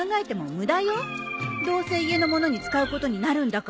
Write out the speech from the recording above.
どうせ家のものに使うことになるんだから。